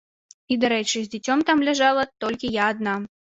І дарэчы, з дзіцем там ляжала толькі я адна.